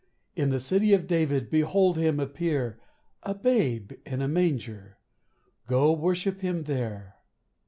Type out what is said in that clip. In the city of David Behold him appear A babe in a manger Go worship him there."